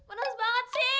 penas banget sih